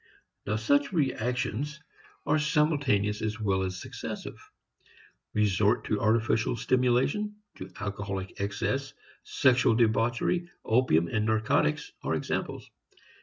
Now such "reactions" are simultaneous as well as successive. Resort to artificial stimulation, to alcoholic excess, sexual debauchery, opium and narcotics are examples.